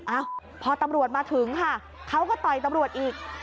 อ้าวพอตำรวจมาถึงค่ะเขาก็ต่อยตำรวจอีก